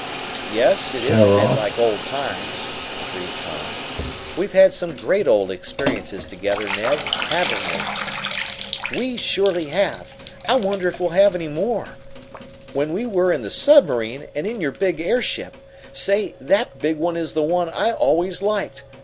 "Yes, it is a bit like old times," agreed Tom. "We've had some great old experiences together, Ned, haven't we?" "We surely have! I wonder if we'll have any more? When we were in the submarine, and in your big airship. Say, that big one is the one I always liked!